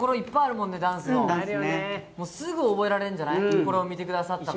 もう、すぐ覚えられるんじゃない？